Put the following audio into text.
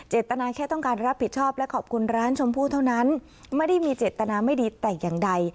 ตนาแค่ต้องการรับผิดชอบและขอบคุณร้านชมพู่เท่านั้นไม่ได้มีเจตนาไม่ดีแต่อย่างใด